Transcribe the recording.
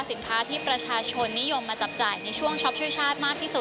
สินค้าที่ประชาชนนิยมมาจับจ่ายในช่วงช็อปช่วยชาติมากที่สุด